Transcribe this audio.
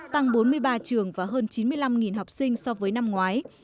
tăng bốn mươi ba trường và hơn chín mươi năm học sinh so với năm ngoái